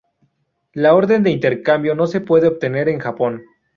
La orden de intercambio no se puede obtener en Japón.